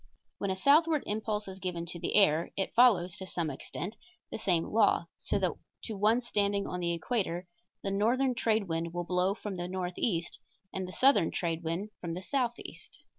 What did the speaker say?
When a southward impulse is given to the air it follows, to some extent, the same law, so that to one standing on the equator the northern trade wind will blow from the northeast and the southern trade wind from the southeast.